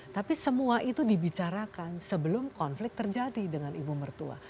tapi semua itu dibicarakan sebelum konflik terjadi dengan ibu mertua